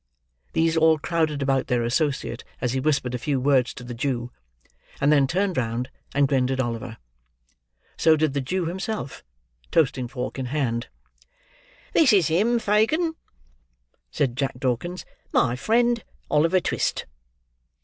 These all crowded about their associate as he whispered a few words to the Jew; and then turned round and grinned at Oliver. So did the Jew himself, toasting fork in hand. "This is him, Fagin," said Jack Dawkins; "my friend Oliver Twist."